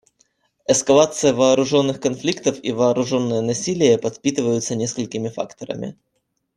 Эскалация вооруженных конфликтов и вооруженное насилие подпитываются несколькими факторами.